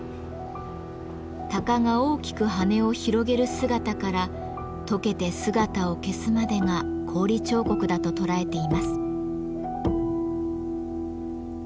鷹が大きく羽を広げる姿からとけて姿を消すまでが氷彫刻だと捉えています。